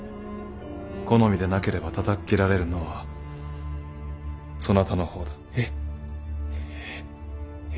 好みでなければたたっ斬られるのはそなたの方だ。え！え！